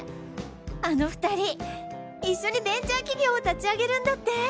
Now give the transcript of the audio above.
あの２人一緒にベンチャー企業を立ち上げるんだって！